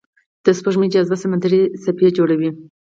د سپوږمۍ جاذبه سمندري څپې جوړوي.